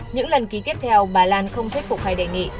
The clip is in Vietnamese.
những lần ký tiếp theo bà lan không thuyết phục hay đề nghị